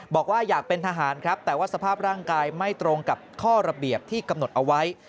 บอกว่าอยากเป็นทหารครับแต่ว่าสภาพร่างกายไม่ตรงกับข้อระเบียบที่กำหนดเอาไว้